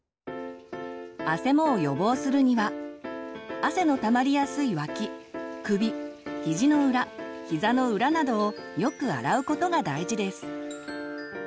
あせもを予防するには汗のたまりやすい脇首ひじの裏ひざの裏などをよく洗うことが大事です。